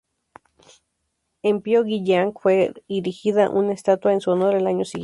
En Pyongyang fue erigida una estatua en su honor el año siguiente.